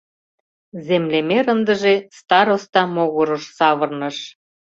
Землемер ындыже староста могырыш савырныш.